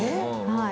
はい。